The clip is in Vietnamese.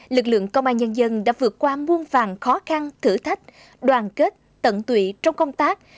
lực lượng công an nhân dân đã vượt qua muôn vàng khó khăn thử thách đoàn kết tận tụy trong công tác